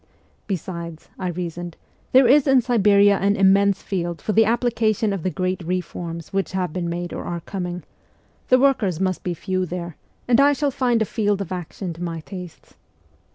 Besides, I reasoned, there is in Siberia an immense field for the application of the great reforms which have been made or are coming : the workers must be few there, and I shall find a field of action to my tastes.